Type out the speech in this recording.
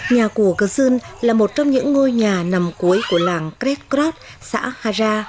nhà của cơ dương là một trong những ngôi nhà nằm cuối của làng kretkrod xã hara